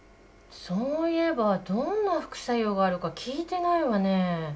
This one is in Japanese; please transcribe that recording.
そういえばどんな副作用があるか聞いてないわね。